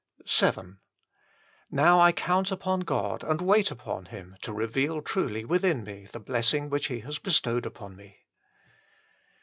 VII Now I count upon God and wait upon Him to reveal truly within me the blessing which He has bestowed upon me.